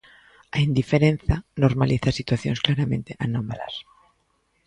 A indiferenza normaliza situacións claramente anómalas.